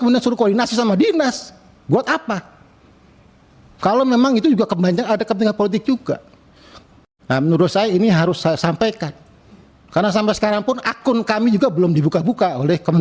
berikutnya pak fahmi silakan